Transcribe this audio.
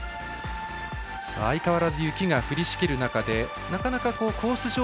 相変わらず雪が降りしきる中でなかなかコース